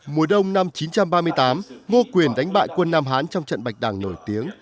mùa đông năm một nghìn chín trăm ba mươi tám ngô quyền đánh bại quân nam hán trong trận bạch đảng nổi tiếng